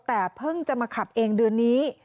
แต่เพิ่งจะมาขับเองเดือนนี้